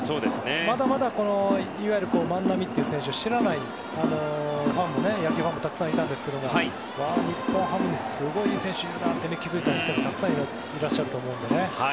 まだまだ万波という選手を知らない野球ファンもたくさんいますけど日本ハムにすごい選手がいるなと気づいた人もたくさんいらっしゃると思うんで。